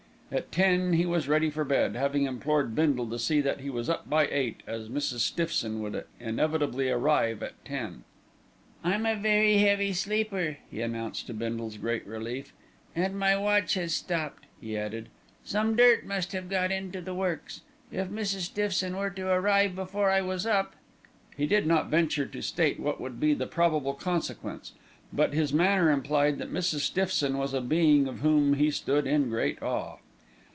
At ten he was ready for bed, having implored Bindle to see that he was up by eight as Mrs. Stiffson would inevitably arrive at ten. "I'm a very heavy sleeper," he announced, to Bindle's great relief. "And my watch has stopped," he added; "some dirt must have got into the works. If Mrs. Stiffson were to arrive before I was up " He did not venture to state what would be the probable consequence; but his manner implied that Mrs. Stiffson was a being of whom he stood in great awe.